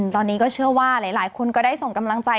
ตอนนี้ก็เชื่อว่าหลายคนก็ได้ส่งกำลังใจ